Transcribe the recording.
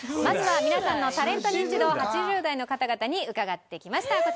まずは皆さんのタレントニンチドを８０代の方々に伺ってきました。